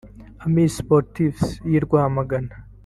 Amis Sportifs y’i Rwamagana